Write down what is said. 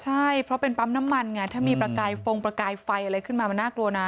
ใช่เพราะเป็นปั๊มน้ำมันไงถ้ามีประกายฟงประกายไฟอะไรขึ้นมามันน่ากลัวนะ